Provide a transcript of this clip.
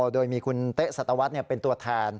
โดยมีคุณเต๊ะสัตวรรษเป็นตัวแทน